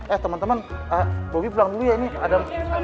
eh temen temen bobby pulang dulu ya ini ada